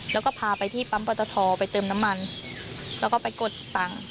แล้วก็พาไปที่ปั๊มปอตทไปเติมน้ำมันแล้วก็ไปกดตังค์